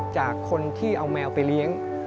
จากคนที่เอาแมวไปเลี้ยง